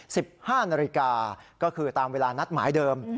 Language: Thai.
สิบห้านาฬิกาก็คือตามเวลานัดหมายเดิม